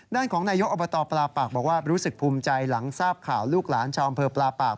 ด้านของนายกอบตปลาปากบอกว่ารู้สึกภูมิใจหลังทราบข่าวลูกหลานชาวอำเภอปลาปาก